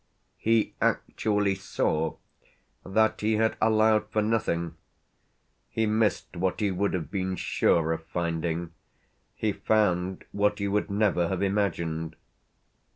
He actually saw that he had allowed for nothing; he missed what he would have been sure of finding, he found what he would never have imagined.